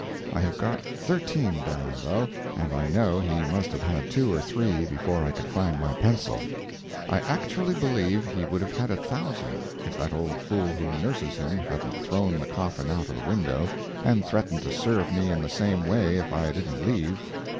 I have got thirteen down, though, and I know he must have had two or three before I could find my pencil. I actually believe he would have had a thousand, if that old fool who nurses him hadn't thrown the coffin out of the window, and threatened to serve me in the same way if I didn't leave.